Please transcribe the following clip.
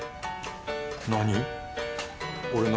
何？